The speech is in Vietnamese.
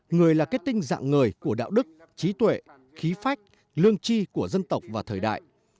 người là kết tinh dạng người của đạo đức trí tuệ khí phách lương tri của dân tộc và thời đại